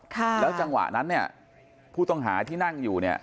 แล้วจังหวะนั้นผู้ต้องหาที่นั่งอยู่